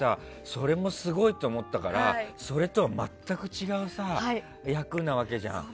それもすごいと思ったけどそれとは全く違う役なわけじゃん。